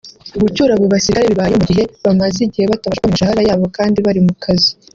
Gucyura abo basirikare bibayeho mu gihe bamaze igihe batabasha kubona imishahara yabo kandi bari mu kazi